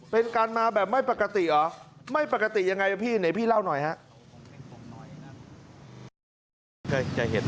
เป็นการมาแบบไม่ปกติเหรอ